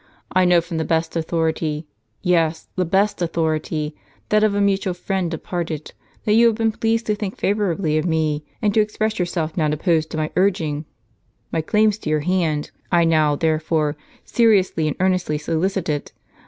I know from the best authority, — yes, the best authority, — that of a mutual friend departed, that you have been pleased to think favorably of me, and to express yourself not opposed to my urging my claims to your hand. I now, therefore, seriously and earnestly solicit it.